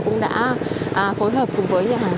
cũng đã phối hợp cùng với nhà hàng